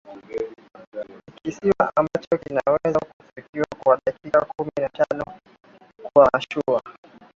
Ni kisiwa ambacho kinaweza kufikiwa kwa dakika kumi na tano kwa mashua